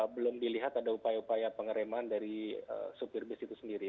belum dilihat ada upaya upaya pengereman dari supir bus itu sendiri